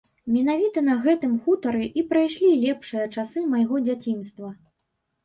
Менавіта на гэтым хутары і прайшлі лепшыя часы майго дзяцінства.